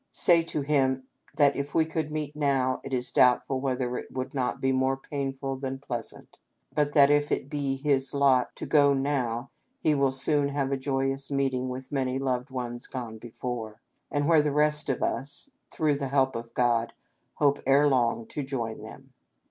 Say to him that if we could meet now it is doubtful whether it would not be more painful than pleasant ; but that if it be his lot to go now he will soon have a joyous meeting with many loved ones gone before, and where the rest of us, through the help of God, hope ere long to join them.